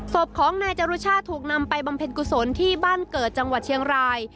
ศพของนายจรุชาติถูกนำไปบำเพ็ญกุศลที่บ้านเกิดจังหวัดเชียงราย